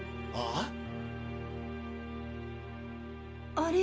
ああ？